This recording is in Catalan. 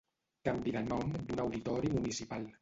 canvi de nom d'un auditori municipal